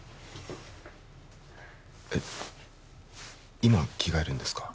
えっ今着替えるんですか？